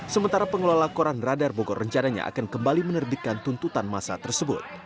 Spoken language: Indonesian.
sementara pengelola koran radar bogor rencananya akan kembali menerbitkan tuntutan masa tersebut